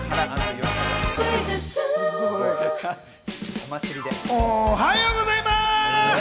おはようございます。